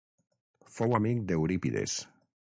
Fou amic d'Eurípides.